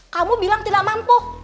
kamu bilang tidak mampu